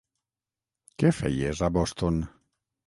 Què feies a Boston?